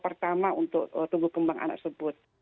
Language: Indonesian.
pertama untuk tumbuh kembang anak tersebut